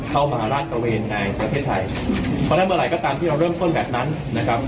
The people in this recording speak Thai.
มาลาดตระเวนในประเทศไทยเพราะฉะนั้นเมื่อไหร่ก็ตามที่เราเริ่มต้นแบบนั้นนะครับ